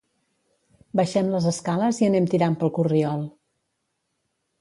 Baixem les escales i anem tirant pel corriol